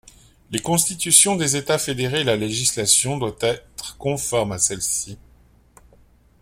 Les constitutions des États fédérés et la législation doit être conforme à celle-ci.